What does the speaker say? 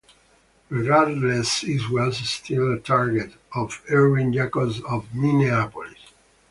Regardless it was still a target of Irwin Jacobs of Minneapolis.